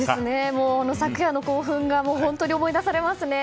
昨夜の興奮が本当に思い出されますね。